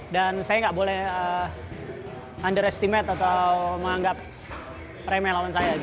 saya nggak boleh underestimate atau menganggap remeh lawan saya